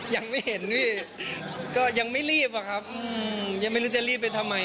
ยังไม่เห็นพี่ก็ยังไม่รีบอะครับยังไม่รู้จะรีบไปทำไม